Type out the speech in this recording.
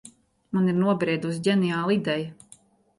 Man ir nobriedusi ģeniāla ideja.